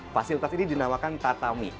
fasilitas ini dinamakan tatami